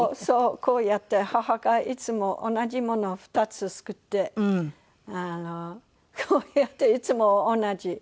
こうやって母がいつも同じものを２つ作ってこうやっていつも同じ。